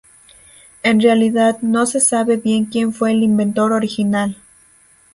En realidad, no se sabe bien quien fue el inventor original.